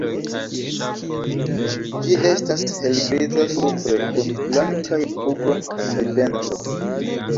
Ĝi estas helgriza supre kun blankaj pugo kaj ventro.